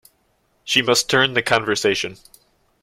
She must turn the conversation.